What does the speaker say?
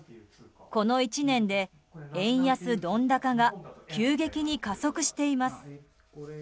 この１年で、円安ドン高が急激に加速しています。